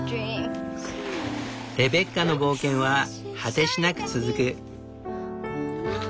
「レベッカの冒険」は果てしなく続く。